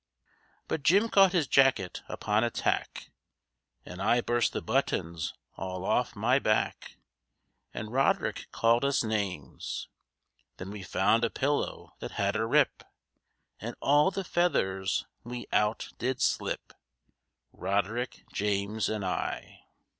But Jim caught his jacket upon a tack, And I burst the buttons all off my back, And Roderick called us names. Then we found a pillow that had a rip, And all the feathers we out did slip,— Roderick, James and I.